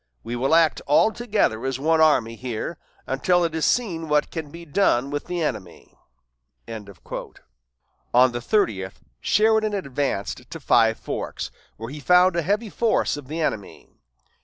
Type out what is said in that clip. We will act all together as one army here, until it is seen what can be done with the enemy." On the thirtieth, Sheridan advanced to Five Forks, where he found a heavy force of the enemy.